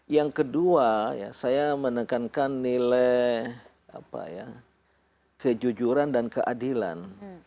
yang kedua saya menekankan nilai kejujuran dan keadilan